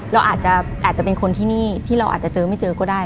เราอาจจะเป็นคนที่นี่ที่เราอาจจะเจอไม่เจอก็ได้